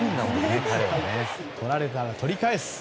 取られたら取り返す。